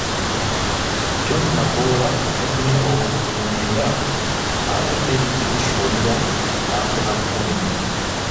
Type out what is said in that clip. John Magalo yafunye obululu mwenda ate Derrick Tusubira n’afuna kkumi.